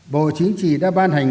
bộ chính trị đã ban hành